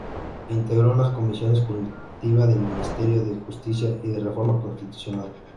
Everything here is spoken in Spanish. Integró las comisiones Consultiva del Ministerio de Justicia y de Reforma Constitucional.